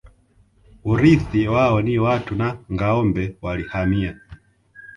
Urithi wao ni watu na ngâombe Walihamia